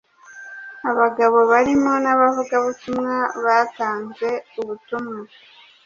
Abagabo barimo n'abavugabutumwa batanze ubutumwa